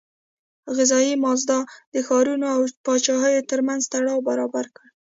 غذایي مازاد د ښارونو او پاچاهیو ترمنځ تړاو برابر کړ.